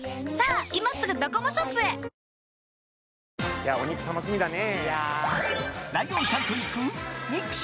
いや、お肉楽しみだね！